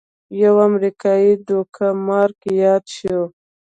یو امریکايي دوکه مار یاد شو.